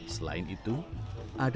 selain itu doa tanda